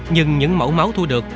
nhưng những mẫu máu thu được